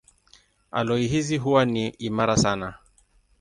Aloi hizi huwa ni imara sana.